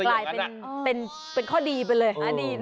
กลายเป็นข้อดีไปเลย